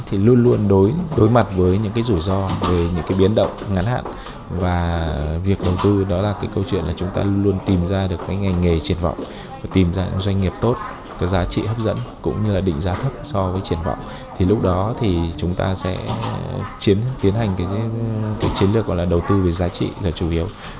thì lúc đó thì chúng ta sẽ tiến hành cái chiến lược gọi là đầu tư về giá trị là chủ yếu